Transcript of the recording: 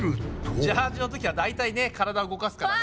ジャージのときは大体ね体動かすからね。